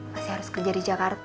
masih harus kerja di jakarta